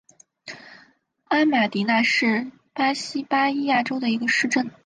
阿马迪纳是巴西巴伊亚州的一个市镇。